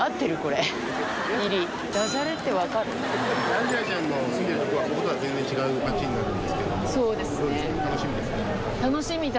アンジェラちゃんの住んでるとこはこことは全然違う町になるんですけれどもどうですか？